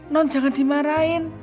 non jangan dimarahin